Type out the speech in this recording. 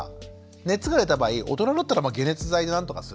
熱が出た場合大人だったら解熱剤で何とかする。